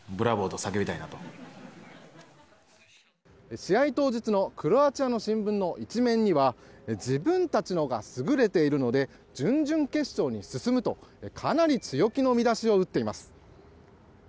試合当日のクロアチアの新聞の１面には自分たちが優れているので準々決勝に進むと、かなり強気の見出しを打っています。